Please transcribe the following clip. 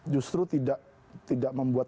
justru tidak membuat